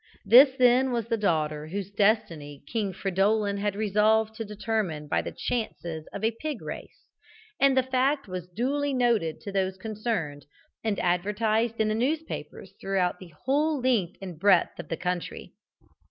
This, then, was the daughter whose destiny King Fridolin had resolved to determine by the chances of a pig race, and the fact was duly notified to those concerned, and advertised in the newspapers throughout the whole length and breadth of the country.